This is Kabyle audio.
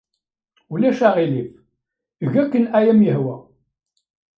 Ulac aɣilif. Eg akken ay am-yehwa.